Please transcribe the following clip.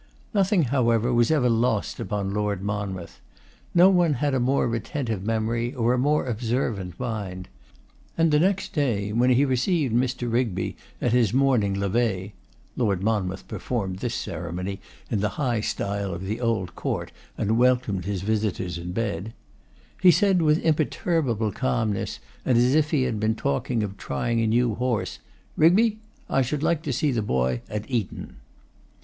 Nothing, however, was ever lost upon Lord Monmouth. No one had a more retentive memory, or a more observant mind. And the next day, when he received Mr. Rigby at his morning levee, Lord Monmouth performed this ceremony in the high style of the old court, and welcomed his visitors in bed, he said with imperturbable calmness, and as if he had been talking of trying a new horse, 'Rigby, I should like to see the boy at Eton.